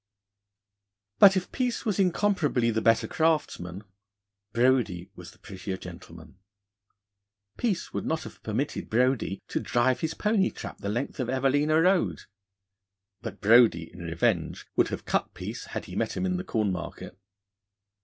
But if Peace was incomparably the better craftsman, Brodie was the prettier gentleman. Peace would not have permitted Brodie to drive his pony trap the length of Evelina Road. But Brodie, in revenge, would have cut Peace had he met him in the Corn market.